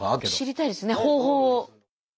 知りたいですね方法を。